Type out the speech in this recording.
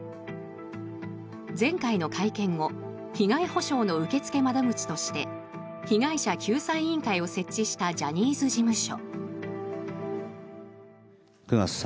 前回の会見後被害補償の受付窓口として被害者救済委員会を設置したジャニーズ事務所。